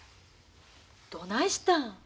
どないしたん？